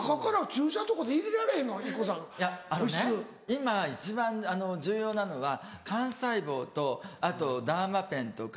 今一番重要なのは幹細胞とあとダーマペンとか。